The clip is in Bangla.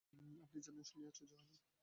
আপনি জানেন শুনিয়া আশ্চর্য হইলাম।